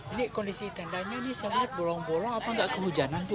ini kondisi tendanya ini saya lihat bolong bolong apa nggak kehujanan bu